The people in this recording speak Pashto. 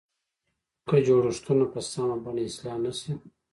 که جوړښتونه په سمه بڼه اصلاح نه شي.